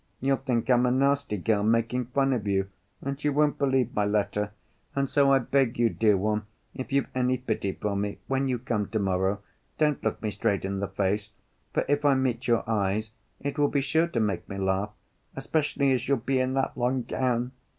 You'll think I'm a nasty girl making fun of you, and you won't believe my letter. And so I beg you, dear one, if you've any pity for me, when you come to‐ morrow, don't look me straight in the face, for if I meet your eyes, it will be sure to make me laugh, especially as you'll be in that long gown.